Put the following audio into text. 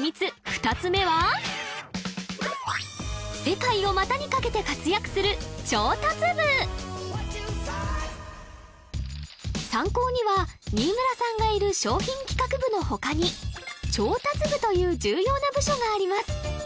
２つ目はサンコーには新村さんがいる商品企画部の他に調達部という重要な部署があります